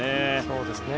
そうですね。